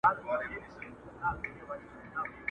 پر ښار ختلې د بلا ساه ده٫